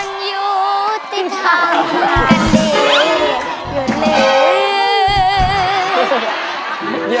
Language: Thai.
มันอยู่ที่ทางกันดี